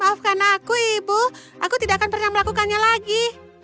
maafkan aku ibu aku tidak akan pernah melakukannya lagi